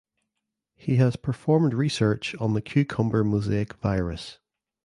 He has performed research on the "cucumber mosaic virus".